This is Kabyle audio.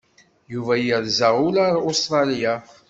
Yuba yerza ula ar Ustṛalya?